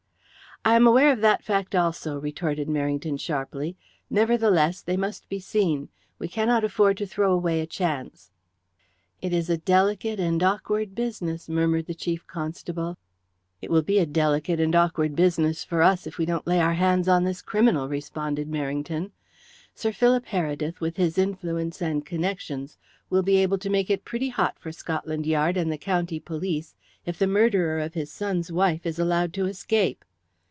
"I am aware of that fact also," retorted Merrington sharply. "Nevertheless, they must be seen. We cannot afford to throw away a chance." "It is a delicate and awkward business," murmured the Chief Constable. "It will be a delicate and awkward business for us if we don't lay our hands on this criminal," responded Merrington. "Sir Philip Heredith, with his influence and connections, will be able to make it pretty hot for Scotland Yard and the County Police if the murderer of his son's wife is allowed to escape.